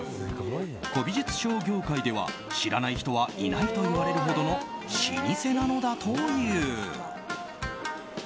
古美術商業界では知らない人はいないと言われるほどの老舗なのだという。